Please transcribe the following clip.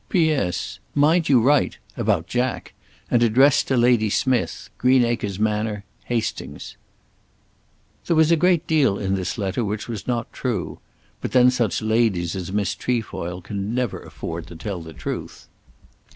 T. P.S. Mind you write about Jack; and address to Lady Smijth Greenacres Manor Hastings. There was a great deal in this letter which was not true. But then such ladies as Miss Trefoil can never afford to tell the truth.